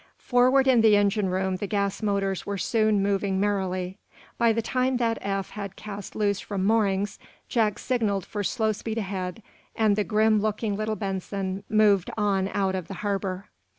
Forward in the engine room the gas motors were soon moving merrily. By the time that Eph had cast loose from moorings Jack signaled for slow speed ahead, and the grim looking little Benson moved on out of the harbor.